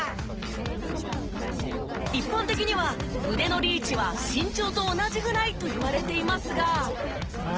一般的には腕のリーチは身長と同じぐらいといわれていますが。